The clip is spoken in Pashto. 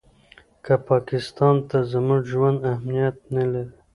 که پاکستان ته زموږ ژوند اهمیت نه لري.